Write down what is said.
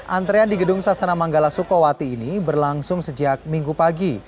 antrean di gedung sasana manggala sukowati ini berlangsung sejak minggu pagi